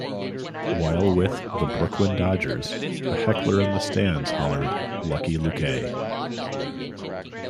While with the Brooklyn Dodgers, a heckler in the stands hollered Lucky Luque!